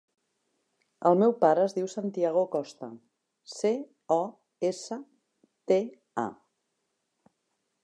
El meu pare es diu Santiago Costa: ce, o, essa, te, a.